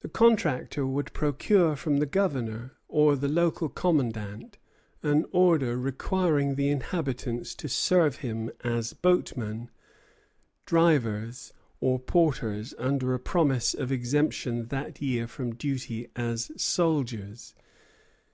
The contractor would procure from the Governor or the local commandant an order requiring the inhabitants to serve him as boatmen, drivers, or porters, under a promise of exemption that year from duty as soldiers.